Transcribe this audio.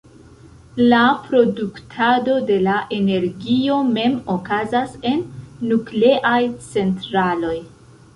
La produktado de la energio mem okazas en nukleaj centraloj.